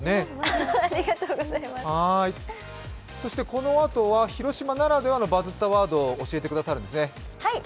このあとは広島ならではのバズったワードを教えてくださるんですね。